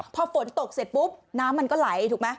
พอฝนตกเสร็จปุ๊บน้ำมันก็ไหลถูกไหม